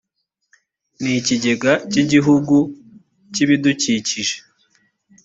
n ikigega cy igihugu cy ibidukikije